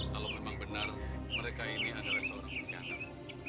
kalau memang benar mereka ini adalah seorang penyandang